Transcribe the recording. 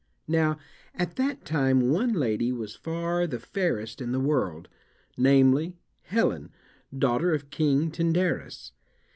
Now at that time one lady was far the fairest in the world: namely, Helen, daughter of King Tyndarus.